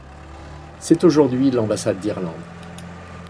C'est aujourd'hui l'ambassade d'Irlande.